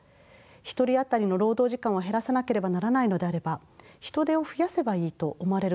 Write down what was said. １人当たりの労働時間を減らさなければならないのであれば人手を増やせばいいと思われるかもしれません。